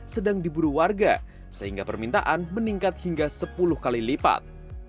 sedang diburu warga sehingga permintaan meningkat hingga sepuluh kali lipat